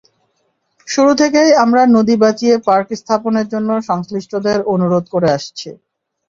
শুরু থেকেই আমরা নদী বাঁচিয়ে পার্ক স্থাপনের জন্য সংশ্লিষ্টদের অনুরোধ করে আসছি।